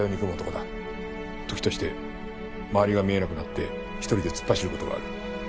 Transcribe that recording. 時として周りが見えなくなって１人で突っ走る事がある。